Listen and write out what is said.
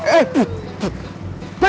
eh buh buh